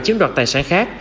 chiếm đoạt tài sản khác